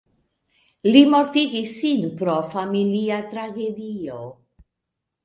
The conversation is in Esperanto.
Li mortigis sin pro familia tragedio.